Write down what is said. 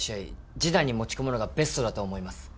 示談に持ち込むのがベストだと思います。